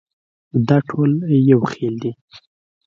دا ټول یو خېل دي.